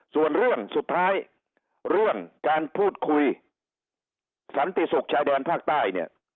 ส่วนเรื่องสุดท้ายเรื่องการพูดคุยสันติศุกร์ชายแดนภาคใต้เนี่ย